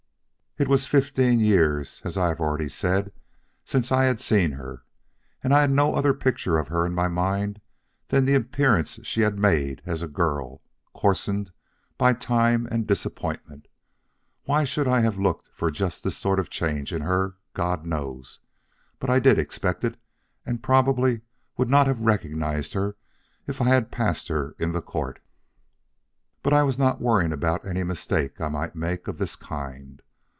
"It was fifteen years, as I have already said, since I had seen her; and I had no other picture of her in my mind than the appearance she had made as a girl, coarsened by time and disappointment. Why I should have looked for just this sort of change in her, God knows, but I did expect it and probably would not have recognized her if I had passed her in the court. But I was not worrying about any mistake I might make of this kind.